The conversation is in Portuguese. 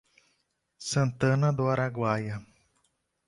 Santana do Araguaia